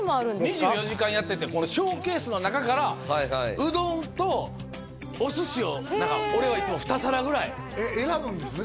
２４時間やっててこのショーケースの中からうどんとお寿司を俺はいつも二皿ぐらい選ぶんですね？